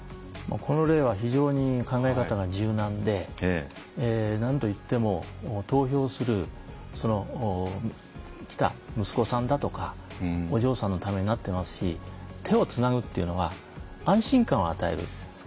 この例は非常に考え方が柔軟でなんといっても投票しに来た息子さんだとかお嬢さんのためになってますし手をつなぐっていうのは安心感を与えるんです。